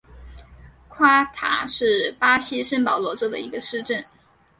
夸塔是巴西圣保罗州的一个市镇。